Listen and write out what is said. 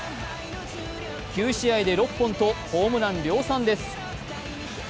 ９試合で６本とホームラン量産です。